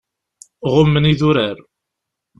Ɣummen idurar.